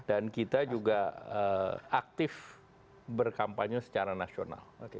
dan kita juga aktif berkampanye secara nasional